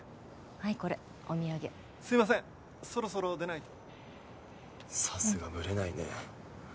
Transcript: はいこれお土産・すいませんそろそろ出ないとさすがブレないね